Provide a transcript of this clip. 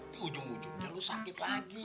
di ujung ujungnya lu sakit lagi